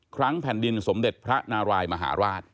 ครั้งแผ่นดินสมเด็จพระนารายมหาราช